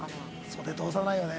袖通さないよね